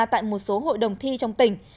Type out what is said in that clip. tại một số hội đồng thi trong tỉnh